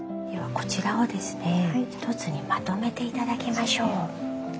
ではこちらをですね一つにまとめて頂きましょう。